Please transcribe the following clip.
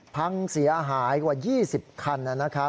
พังเสียหายกว่า๒๐คัน